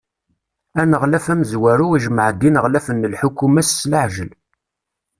Aneɣlaf amezwaru ijmeɛ-d ineɣlafen n lḥukuma-s s leɛjel.